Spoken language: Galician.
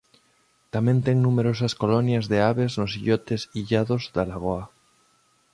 Tamén ten numerosas colonias de aves nos illotes illados da lagoa.